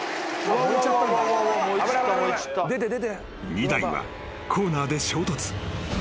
［２台はコーナーで衝突］